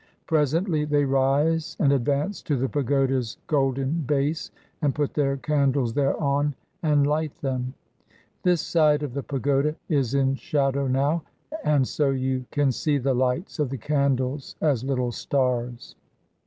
Presently they rise and advance to the pagoda's golden base, and put their candles thereon and light them. This side of the pagoda is in shadow now, and so you can see the lights of the candles as little stars.